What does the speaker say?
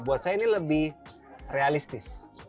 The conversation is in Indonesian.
buat saya ini lebih realistis